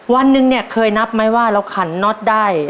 วันหนึ่งเนี่ยเคยนับไหมว่าเราขันน็อตได้